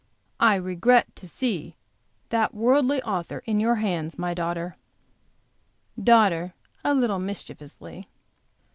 "I regret to see that worldly author in your hands, my daughter." Daughter a little mischievously.